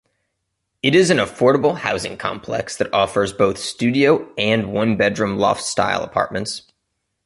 It is an affordable housing complex that offers both studio and one-bedroom loft-style apartments.